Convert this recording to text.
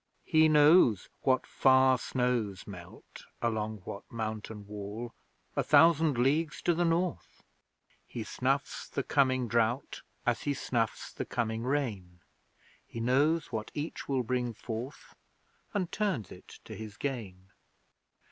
He knows what far snows melt; Along what mountain wall A thousand leagues to the North. He snuffs the coming drought As he snuffs the coming rain, He knows what each will bring forth, And turns it to his gain.